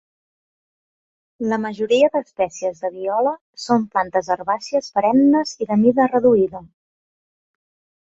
La majoria d'espècies de viola són plantes herbàcies perennes i de mida reduïda.